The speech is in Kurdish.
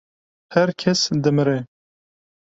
Her kes dimire.